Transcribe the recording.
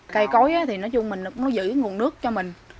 cây cối thì nói chung mình nó giữ nguồn nước cho mình